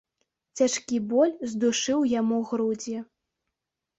Цяжкі боль здушыў яму грудзі.